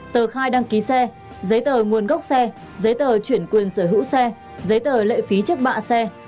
tờ khai đăng ký xe giấy tờ nguồn gốc xe giấy tờ chuyển quyền sở hữu xe giấy tờ lệ phí trước bạ xe